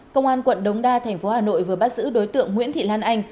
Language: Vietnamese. công an quận đống đa thành phố hà nội vừa bắt giữ đối tượng nguyễn thị lan anh